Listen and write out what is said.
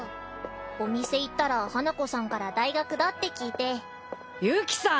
お店行ったら花子さんから大学だって聞いてユキさん